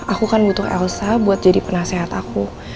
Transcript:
aku kan butuh elsa buat jadi penasehat aku